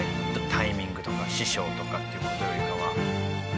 タイミングとか師匠とかっていう事よりかは。